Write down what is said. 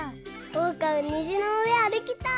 おうかもにじのうえあるきたい！